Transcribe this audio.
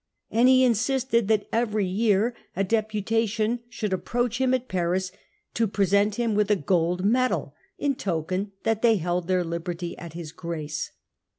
And he insisted that every year a deputation should approach him at Paris to present him with a gold medal in token that they held their liberty at his grace.